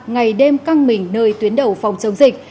ngày đêm căng mình nơi tuyến đầu phòng chống dịch